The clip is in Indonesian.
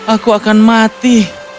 aku akan mati